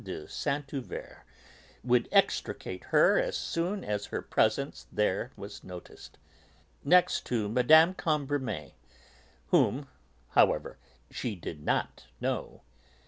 de Saint Euverte would extricate her as soon as her presence there was noticed), next to Mme. de Cambremer, whom, however, she did not know.